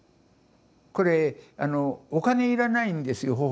これお金要らないんですよ